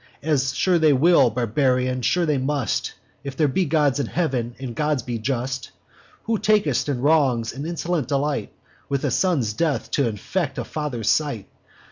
As sure they will, barbarian, sure they must, If there be gods in heav'n, and gods be just: Who tak'st in wrongs an insolent delight; With a son's death t' infect a father's sight.